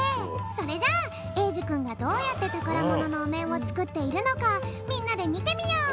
それじゃあえいじゅくんがどうやってたからもののおめんをつくっているのかみんなでみてみよう！